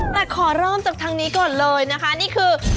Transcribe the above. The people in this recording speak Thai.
แต่ขอเริ่มจากทางนี้ก่อนเลยนะคะนี่คือ